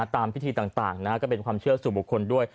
ตามพิธีต่างก็เป็นความเชื่อสู่บุคคลด้วย